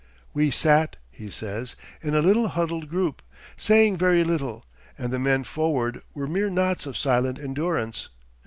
'We sat,' he says, 'in a little huddled group, saying very little, and the men forward were mere knots of silent endurance.